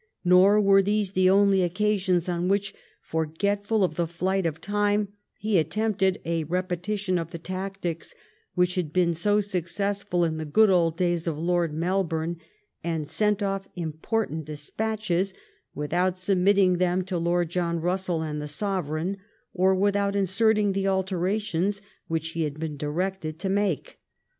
Nor were these the only occasions on which, forgetful of the flight of time, he attempted a repetition of the tactics which had been so successful in the good old days of Lord Melbourne, and sent off important despatches without submitting them to Lord John Bussell and the Sovereign, or without inserting the alterations which he had been directed to make.